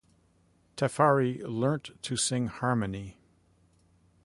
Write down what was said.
Tafari learnt to sing harmony.